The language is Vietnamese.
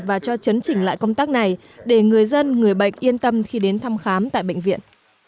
và cho chấn chỉnh lại công tác này để người dân người bệnh yên tâm khi đến thăm khám tại bệnh viện